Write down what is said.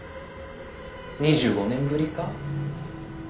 「２５年ぶりか？」